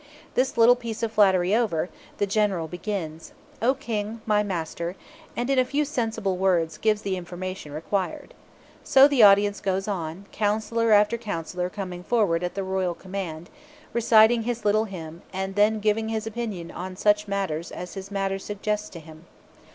This little piece of flattery over, the General begins, "O King, my master," and in a few sensible words gives the information required. So the audience goes on, counsellor after counsellor coming forward at the royal command, reciting his little hymn, and then giving his opinion on such matters as his master suggests to him.